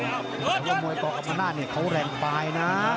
แต่ว่ามวยก่อกับมะนาทนี่เขาแรงไปนะ